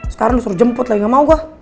sekarang lo suruh jemput lagi gak mau gue